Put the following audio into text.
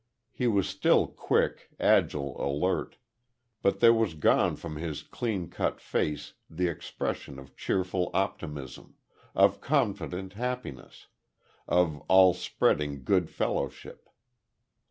He was still quick, agile, alert; but there was gone from his clean cut face the expression of cheerful optimism of confident happiness of all spreading good fellowship.